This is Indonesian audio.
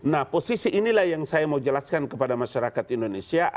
nah posisi inilah yang saya mau jelaskan kepada masyarakat indonesia